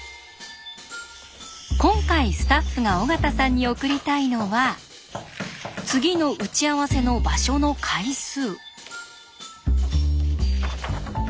今回スタッフが尾形さんに送りたいのは次の打ち合わせの場所の階数。